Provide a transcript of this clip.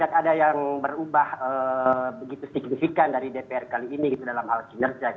saya kira hal hal yang berubah begitu signifikan dari dpr kali ini dalam hal kinerja